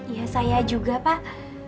ya saya juga pak